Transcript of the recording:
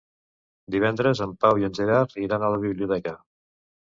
Divendres en Pau i en Gerard iran a la biblioteca.